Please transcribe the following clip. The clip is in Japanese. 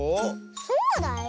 そうだよ。